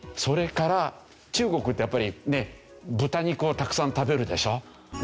それから中国ってやっぱり豚肉をたくさん食べるでしょ。